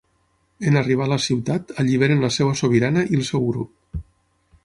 En arribar a la ciutat alliberen la seva sobirana i el seu grup.